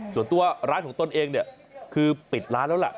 ส่วนตัวร้านของตนเองคือปิดร้านแล้วล่ะ